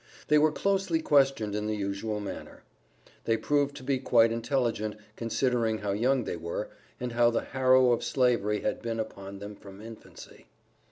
They were closely questioned in the usual manner. They proved to be quite intelligent, considering how young they were, and how the harrow of Slavery had been upon them from infancy.